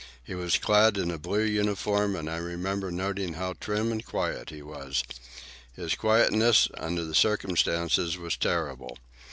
He was clad in a blue uniform, and I remember noting how trim and quiet he was. His quietness, under the circumstances, was terrible.